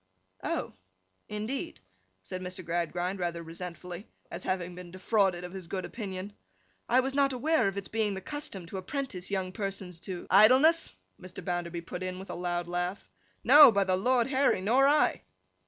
'Oh! Indeed?' said Mr. Gradgrind, rather resentfully, as having been defrauded of his good opinion. 'I was not aware of its being the custom to apprentice young persons to—' 'Idleness,' Mr. Bounderby put in with a loud laugh. 'No, by the Lord Harry! Nor I!